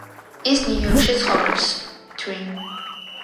ის ნიუ-იორკში ცხოვრობს.